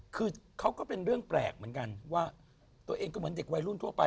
คือเขาก็เป็นเรื่องแปลกเหมือนกันว่าตัวเองก็เหมือนเด็กวัยรุ่นทั่วไป